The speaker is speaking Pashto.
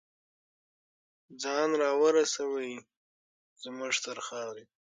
ځان راورسوي دی زمونږ تر خاورې